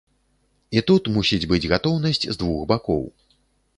І тут мусіць быць гатоўнасць з двух бакоў.